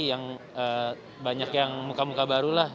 yang banyak yang muka muka baru lah